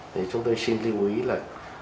thì chúng tôi xin lưu ý là